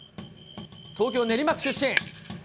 東京・練馬区出身。